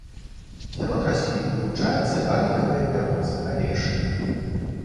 Сярод раслін вылучаюцца карлікавыя бярозы, алешыны.